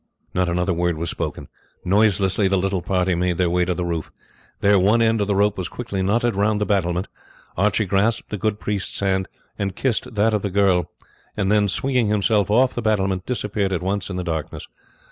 Not another word was spoken. Noiselessly the little party made their way to the roof; there one end of the rope was quickly knotted round the battlement. Archie grasped the good priest's hand, and kissed that of the girl; and then, swinging himself off the battlement, disappeared at once in the darkness.